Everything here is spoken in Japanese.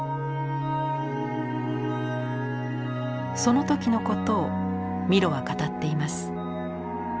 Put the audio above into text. その時のことをミロは語っています。